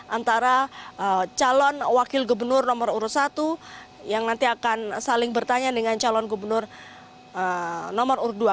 antara calon wakil gubernur nomor urut satu yang nanti akan saling bertanya dengan calon gubernur nomor urut dua